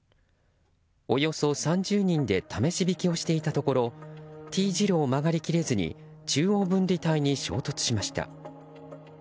およそ３０人で試し引きをしていたところＴ字路を曲がり切れずに中央分離帯に衝突しました。